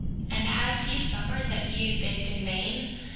And has he suffered that ye have begged in vain?